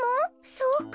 そうか。